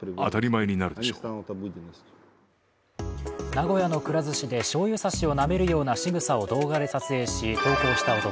名古屋のくら寿司でしょうゆ差しをなめるようなしぐさを動画で撮影し、投稿した男。